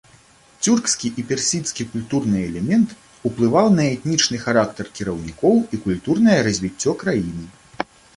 Цюркскі і персідскі культурны элемент уплываў на этнічны характар кіраўнікоў і культурнае развіццё краіны.